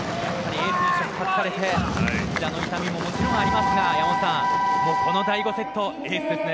膝の痛みももちろんありますがこの第５セットエースですね。